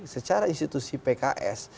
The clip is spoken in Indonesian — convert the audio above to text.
secara institusi pks